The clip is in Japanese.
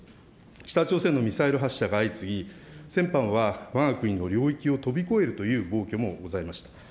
北朝鮮のミサイル発射が相次ぎ、先般はわが国の領域を飛び越えるという暴挙もございました。